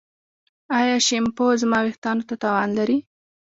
ایا شیمپو زما ویښتو ته تاوان لري؟